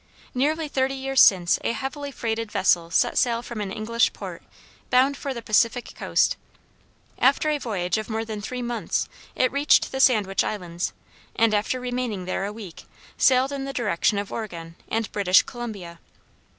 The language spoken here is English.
Nearly thirty years since a heavily freighted vessel set sail from an English port bound for the Pacific coast. After a voyage of more than three months it reached the Sandwich Islands, and after remaining there a week, sailed in the direction of Oregon and British Columbia.